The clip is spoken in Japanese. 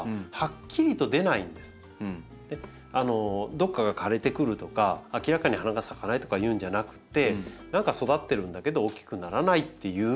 どこかが枯れてくるとか明らかに花が咲かないとかいうんじゃなくて何か育ってるんだけど大きくならないっていう症状として出るんです。